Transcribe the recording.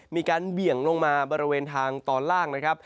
เบี่ยงลงมาบริเวณทางตอนล่างนะครับ